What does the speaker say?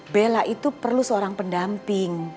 bella itu perlu seorang pendamping